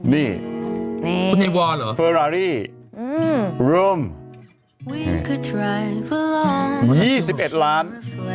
นี่ฟอรารี่รวม๒๑ล้าน